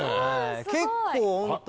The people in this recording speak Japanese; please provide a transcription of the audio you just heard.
結構ホントに。